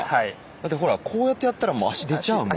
だってほらこうやってやったらもう足出ちゃうもん。